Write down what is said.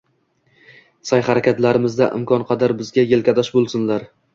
Saʼy-harakatlarimizda imkon qadar bizga yelkadosh boʻlsinlar